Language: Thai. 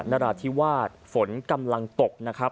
นราธิวาสฝนกำลังตกนะครับ